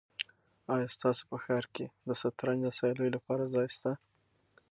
آیا ستاسو په ښار کې د شطرنج د سیالیو لپاره ځای شته؟